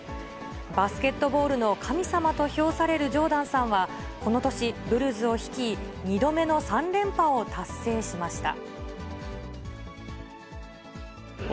バスケットボールの神様と評されるジョーダンさんは、この年、ブルズを率い、２度目の３連覇を達成しました。